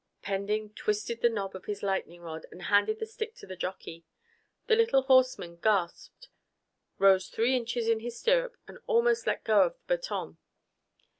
Pending twisted the knob on his lightening rod and handed the stick to the jockey. The little horseman gasped, rose three inches in his stirrups, and almost let go of the baton.